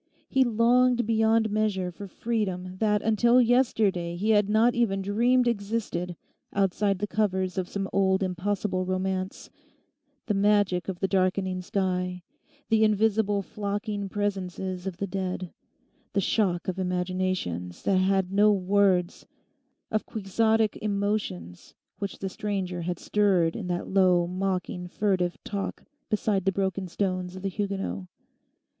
He longed beyond measure for freedom that until yesterday he had not even dreamed existed outside the covers of some old impossible romance—the magic of the darkening sky, the invisible flocking presences of the dead, the shock of imaginations that had no words, of quixotic emotions which the stranger had stirred in that low, mocking, furtive talk beside the broken stones of the Huguenot.